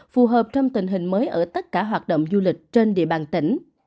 phù hợp trong tình hình mới ở tất cả hoạt động du lịch trên địa bàn tỉnh